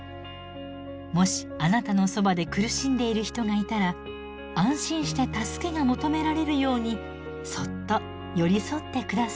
もしあなたのそばで苦しんでいる人がいたら安心して助けが求められるようにそっと寄り添って下さい。